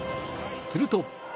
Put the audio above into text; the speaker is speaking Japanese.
すると。